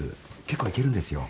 結構いけるんですよ。